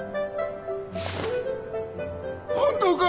本当か？